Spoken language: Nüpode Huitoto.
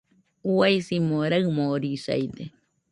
Uaisimo raɨmorisaide